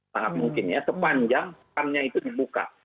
sangat mungkin ya sepanjang kan itu dibuka